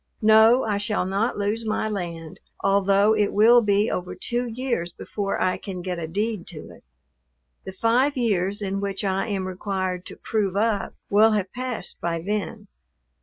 No, I shall not lose my land, although it will be over two years before I can get a deed to it. The five years in which I am required to "prove up" will have passed by then.